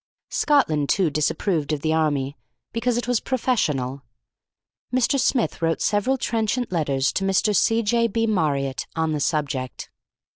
Scotland, too, disapproved of the army, because it was professional. Mr. Smith wrote several trenchant letters to Mr. C. J. B. Marriott on the subject.